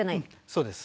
そうです。